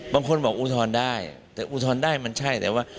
บางคนบอกอุทธรณ์ได้แต่อุทธรณ์ได้มันใช่แต่ว่า